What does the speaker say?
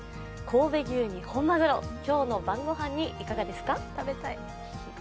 神戸牛に本まぐろ、今日の晩ご飯にいかがですか。